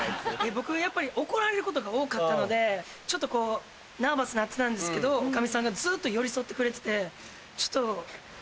僕はやっぱり怒られることが多かったのでちょっとこうナーバスなってたんですけど女将さんがずっと寄り添ってくれててちょっと。